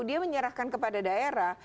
dia menyerahkan kepada daerah